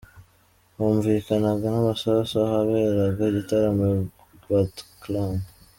Humvikanaga n’amasasu ahaberaga igitaramo i Bataclan.